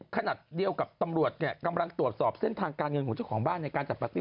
ขนาดเดียวกับตำรวจกำลังตรวจสอบเส้นทางการเงินของเจ้าของบ้านในการจัดปาร์ตี้